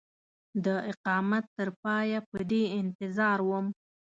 د اقامت تر پایه په دې انتظار وم.